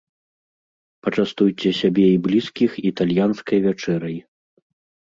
Пачастуйце сябе і блізкіх італьянскай вячэрай.